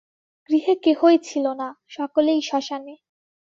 গৃহে কেহই ছিল না, সকলেই শ্মশানে।